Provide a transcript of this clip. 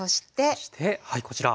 そしてはいこちら。